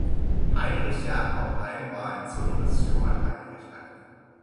Heinrich Jakob Heim war ein Sohn des Johann Heinrich Heim.